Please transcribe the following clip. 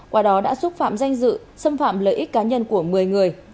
qua đó đã xúc phạm danh dự xâm phạm lợi ích cá nhân của một mươi người